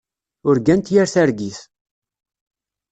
Urgant yir targit.